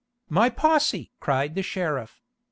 "My posse!" cried the sheriff.